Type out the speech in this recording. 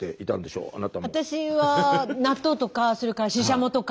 私は納豆とかそれからししゃもとか。